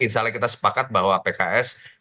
insya allah kita sepakat bahwa pks